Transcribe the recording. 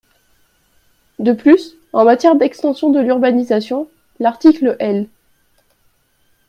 De plus, en matière d’extension de l’urbanisation, l’article L.